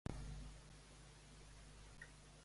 Què apareix a la composició Descens a Irkalla?